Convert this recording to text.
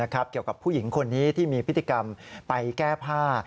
เกี่ยวกับผู้หญิงคนนี้ที่มีพฤติกรรมไปแก้ผ้า